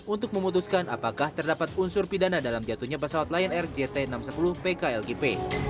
untuk memutuskan apakah terdapat unsur pidana dalam jatuhnya pesawat layan rgt enam ratus sepuluh pk lkp